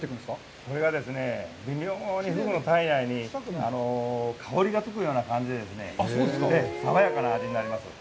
それがですね、微妙にフグの体内に香りがつくような感じでですね、爽やかな味になります。